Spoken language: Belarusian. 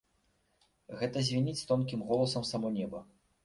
Гэта звініць тонкім голасам само неба.